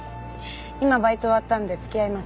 今バイト終わったんで付き合います。